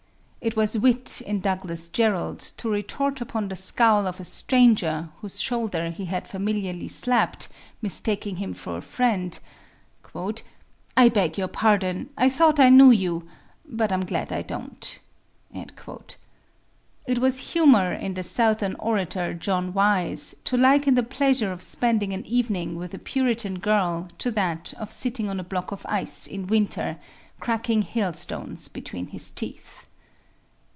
It was wit in Douglass Jerrold to retort upon the scowl of a stranger whose shoulder he had familiarly slapped, mistaking him for a friend: 'I beg your pardon, I thought I knew you but I'm glad I don't.' It was humor in the Southern orator, John Wise, to liken the pleasure of spending an evening with a Puritan girl to that of sitting on a block of ice in winter, cracking hailstones between his teeth."